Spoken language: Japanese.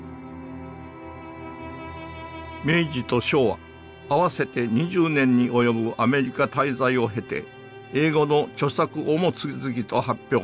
明治と昭和合わせて２０年に及ぶアメリカ滞在を経て英語の著作をも次々と発表。